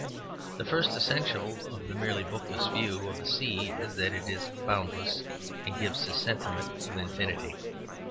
The first essential of the merely bookish view of the sea is that it is boundless, and gives a sentiment of infinity.